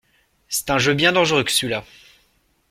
C'est un jeu bien dangereux que celui-là!